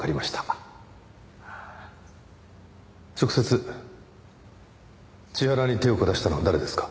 直接千原に手を下したのは誰ですか？